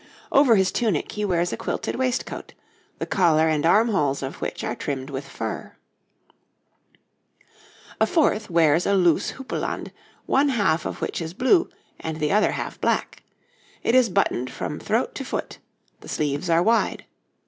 Over his tunic he wears a quilted waistcoat, the collar and armholes of which are trimmed with fur. [Illustration {A man of the time of Henry IV.}] A fourth wears a loose houppelande, one half of which is blue and the other half black; it is buttoned from throat to foot; the sleeves are wide.